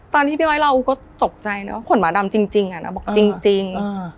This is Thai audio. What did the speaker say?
ตอนที่พี่อ๊วยเล่าก็ตกใจเนอะขนหมาดำจริงอะเนอะจริง